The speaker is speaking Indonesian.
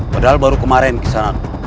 padahal baru kemarin di sana